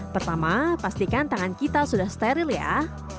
pertama pastikan tangan kita sudah steril ya